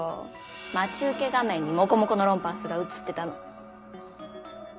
待ち受け画面にモコモコのロンパースが写ってたの。